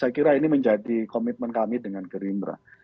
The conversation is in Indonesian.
saya kira ini menjadi komitmen kami dengan gerindra